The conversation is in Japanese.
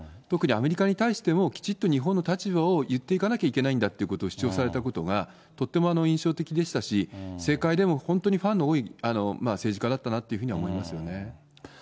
特にアメリカに対してもきちっと日本の立場を言っていかなきゃいけないということを主張されたことが、とっても印象的でしたし、政界でも本当にファンの多い政治家だったなというふうに思いますよね。